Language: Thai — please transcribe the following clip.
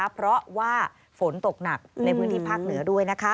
เพราะว่าฝนตกหนักในบิติภาคเหนือด้วย